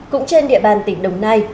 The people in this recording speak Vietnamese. cũng trên địa bàn tỉnh đồng nai